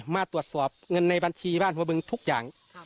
มาตรวจสอบเงินในบัญชีบ้านหัวบึงทุกอย่าง